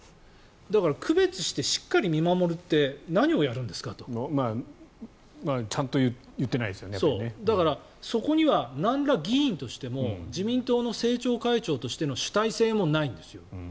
だから区別してしっかり見守るってちゃんとだからそこには何ら議員としても自民党の政調会長としての主体性もないんですよ。